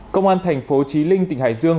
công an tp chí linh tỉnh hải dương